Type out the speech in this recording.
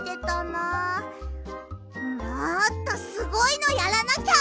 もっとすごいのやらなきゃ！